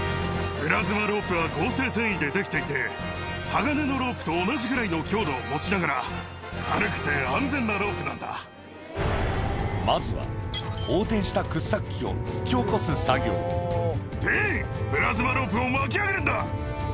プラズマロープは、合成繊維で出来ていて、鋼のロープと同じぐらいの強度を持ちながら、まずは横転した掘削機を引きディーン、プラズマロープを巻き上げるんだ！